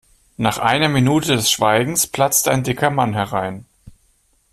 Nach einer Minute des Schweigens platzte ein dicker Mann herein.